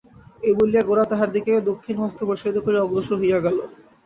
এই বলিয়া গোরা তাহার দিকে দক্ষিণ হস্ত প্রসারিত করিয়া অগ্রসর হইয়া গেল।